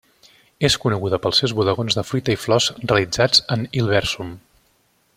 És coneguda pels seus bodegons de fruita i flors realitzats en Hilversum.